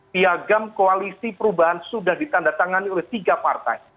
piagam koalisi perubahan sudah ditandatangani oleh tiga partai